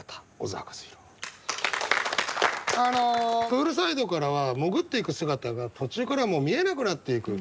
プールサイドからは潜っていく姿が途中からはもう見えなくなっていく。